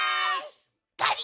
ガリ！